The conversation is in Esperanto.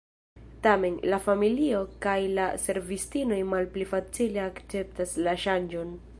Tamen, la familio kaj la servistinoj malpli facile akceptas la ŝanĝon.